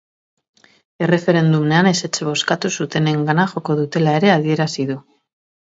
Erreferendumean ezetz bozkatu zutenengana joko dutela ere adierazi du.